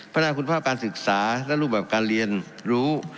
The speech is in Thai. พัฒนาคุณภาพการศึกษาและรูปแบบการเรียนรู้